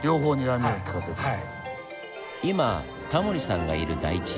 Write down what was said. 今タモリさんがいる台地